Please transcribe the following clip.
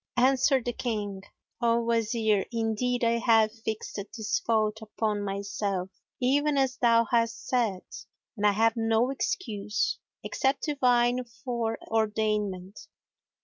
Answered the King, "O Wazir, indeed I have fixed this fault upon myself, even as thou hast said, and I have no excuse except divine foreordainment."